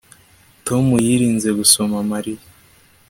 Tom yirinze gusoma Mariya